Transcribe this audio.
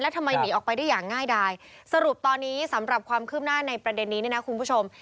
ทำไมหนีออกไปได้อย่างง่ายดายสรุปตอนนี้สำหรับความคืบหน้าในประเด็นนี้เนี่ยนะคุณผู้ชม